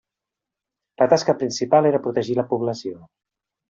La tasca principal era protegir la població.